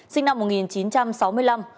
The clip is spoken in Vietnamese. sinh năm một nghìn chín trăm sáu mươi năm